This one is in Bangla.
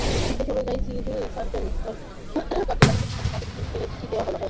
নির্দেশ অনুযায়ী সিভিল সার্জন কার্যালয় থেকে গতকালই বিকেলে চিঠি দেওয়া হয়।